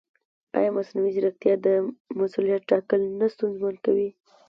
ایا مصنوعي ځیرکتیا د مسؤلیت ټاکل نه ستونزمن کوي؟